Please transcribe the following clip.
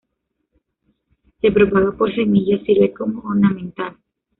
Se propaga por semillas, sirve como ornamental.